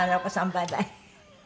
バイバイ。